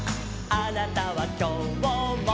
「あなたはきょうも」